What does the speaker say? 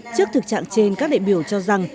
trước thực trạng trên các đại biểu cho rằng